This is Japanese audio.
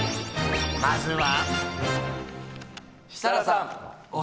まずは。